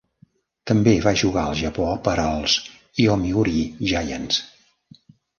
També va jugar al Japó per als Yomiuri Giants.